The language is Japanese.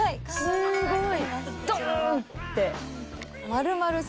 すごい！